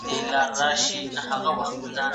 بې عدالتي ټولنه د نابودۍ کندې ته ور ټېل وهي.